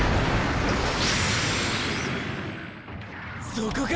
そこか。